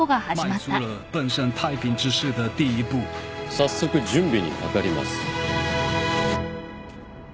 早速準備にかかります。